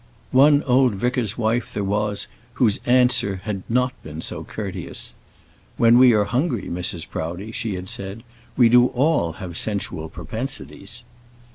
One old vicar's wife there was whose answer had not been so courteous "When we are hungry, Mrs. Proudie," she had said, "we do all have sensual propensities."